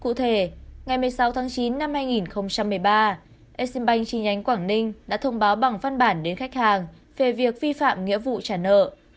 cụ thể ngày một mươi sáu tháng chín năm hai nghìn một mươi ba exim bank chi nhánh quảng ninh đã thông báo bằng văn bản đến khách hàng về việc vi phạm nghĩa vụ trả nợ